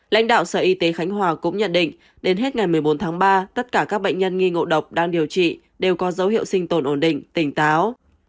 lãnh đạo sở y tế khánh hòa cũng nhận định đến hết ngày một mươi bốn tháng ba tất cả các bệnh nhân nghi ngộ độc đang điều trị đều có dấu hiệu sinh tồn ổn định tỉnh táo